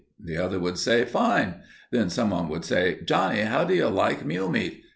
The other would say "Fine;" then some one would say, "Johnnie, how do you like mule meat?"